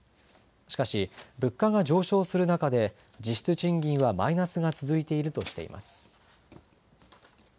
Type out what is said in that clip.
しかし物価が上昇する中で実質賃金はマイナスが続いているとしています。